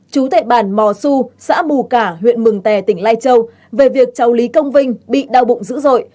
chú tệ bản mò xu xã bù cả huyện mường tè tỉnh lai châu về việc cháu lý công vinh bị đau bụng dữ dội